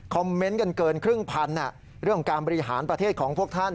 เมนต์กันเกินครึ่งพันเรื่องการบริหารประเทศของพวกท่าน